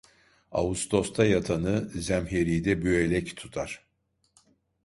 Ağustosta yatanı zemheride büğelek tutar…